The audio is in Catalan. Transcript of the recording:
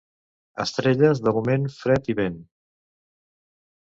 Estrelles d'augment, fred i vent.